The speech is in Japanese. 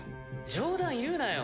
冗談言うなよ。